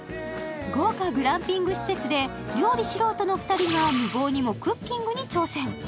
豪華グランピング施設で料理素人の２人が無謀にもクッキングに挑戦。